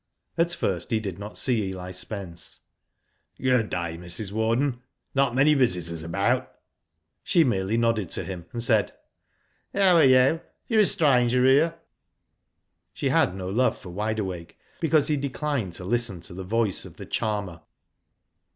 At first he did not see Eli Spence. " Good day, Mrs. Warden. Not many visitors about?" She merely nodded to him, and said :" How are you ? You're a stranger here." She had no love for Wide AWake, because he declined to listen to the voice of the charmer.